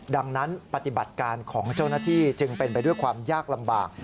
ดังนั้นปฏิบัติการของเจ้าหน้าที่จึงเป็นไปด้วยความยากลำบาก